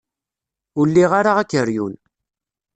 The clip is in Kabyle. Ur liɣ ara akeryun.